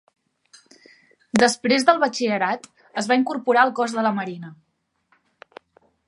Després del batxillerat, es va incorporar al cos de la Marina.